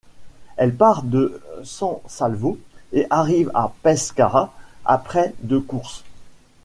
Elle part de San Salvo et arrive à Pescara après de course.